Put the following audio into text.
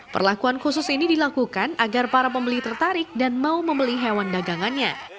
perlakuan khusus ini dilakukan agar para pembeli tertarik dan mau membeli hewan dagangannya